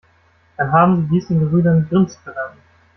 Dann haben Sie dies den Gebrüdern Grimm zu verdanken.